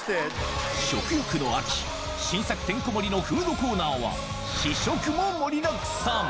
食欲の秋、新作てんこ盛りのフードコーナーは、試食も盛りだくさん。